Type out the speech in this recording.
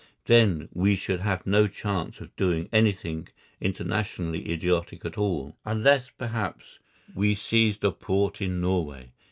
Then we should have no chance of doing anything internationally idiotic at all, unless, perhaps, we seized a port in Norway.